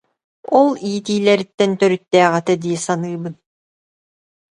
Ол иитиилэриттэн төрүттээх этэ дии саныыбын